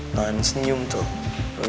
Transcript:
tauan senyum tuh